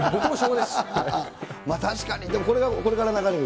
確かに、でもこれから流れる？